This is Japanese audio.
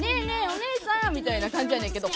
おねえさんみたいな感じやねんけど。